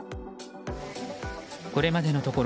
これまでのところ